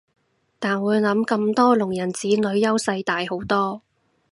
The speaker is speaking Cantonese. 但會諗咁多聾人子女優勢大好多